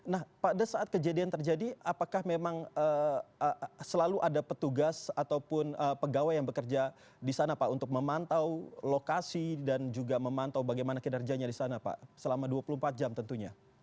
nah pada saat kejadian terjadi apakah memang selalu ada petugas ataupun pegawai yang bekerja di sana pak untuk memantau lokasi dan juga memantau bagaimana kinerjanya di sana pak selama dua puluh empat jam tentunya